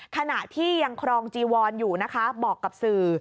ขณะที่ยังครองจีวอนอยู่นะคะบอกกับสื่อ